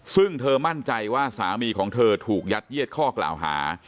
ซึ่งเธอมั่นใจว่าสามีของเธอถูกยัดเยียดข้อกล่าวหา